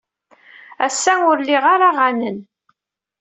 Ass-a, ur liɣ ara aɣanen.